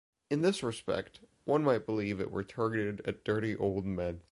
In this respect, one might believe it were targeted at dirty old men.